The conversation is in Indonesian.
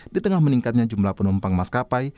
di tengah meningkatnya jumlah penumpang mas kapai